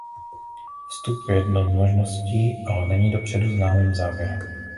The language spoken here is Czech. Vstup je jednou možností, ale není dopředu známým závěrem.